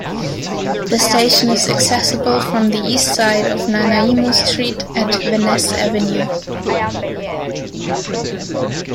The station is accessible from the east side of Nanaimo Street at Vanness Avenue.